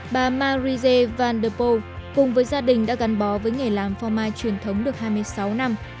bà marie jane van der poel cùng với gia đình đã gắn bó với nghề làm phò mai truyền thống được hai mươi sáu năm